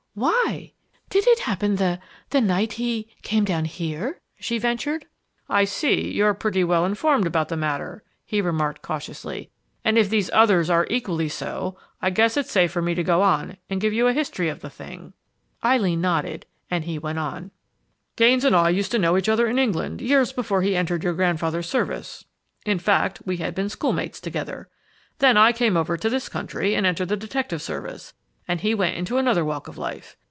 Why? Did it happen the the night he came down here?" she ventured. "I see you're pretty well informed about the matter," he remarked cautiously. "And if these others are equally so, I guess it's safe for me to go on and give you a history of the thing." Eileen nodded, and he went on: "Gaines and I used to know each other in England, years before he entered your grandfather's service. In fact, we had been schoolmates together. Then I came over to this country and entered the detective service, and he went into another walk of life.